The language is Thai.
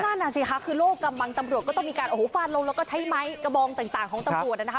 นั่นน่ะสิคะคือโลกกำบังตำรวจก็ต้องมีการโอ้โหฟาดลงแล้วก็ใช้ไม้กระบองต่างของตำรวจนะคะ